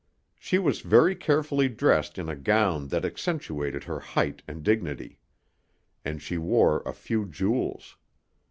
She was very carefully dressed in a gown that accentuated her height and dignity. And she wore a few jewels.